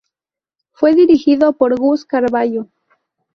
Fue dirigido por Gus Carballo.